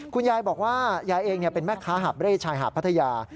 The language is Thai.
คุณยายบอกว่ายายเองเป็นแม่ค้าหาบเร่ชายหาดพัทยา